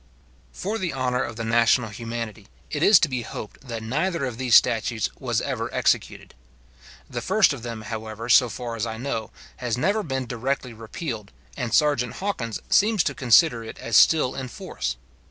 For the honour of the national humanity, it is to be hoped that neither of these statutes was ever executed. The first of them, however, so far as I know, has never been directly repealed, and serjeant Hawkins seems to consider it as still in force.